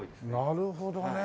なるほどね。